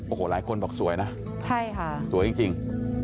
โอ้โหหลายคนบอกสวยนะใช่ค่ะสวยจริง